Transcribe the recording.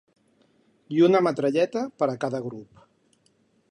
I una metralleta per a cada grup